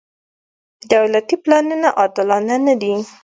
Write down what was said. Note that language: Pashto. دولتي پلانونه عادلانه نه دي.